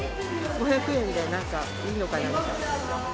５００円でなんかいいのかなみたいな。